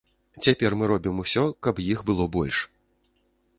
Цяпер мы робім усё, каб іх было больш.